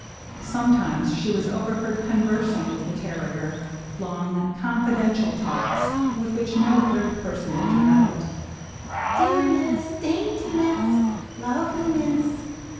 Sometimes she was overheard conversing with the terrier, — long, confidential talks, with which no third person intermeddled. " Deamess ! Daintiness ! Loveliness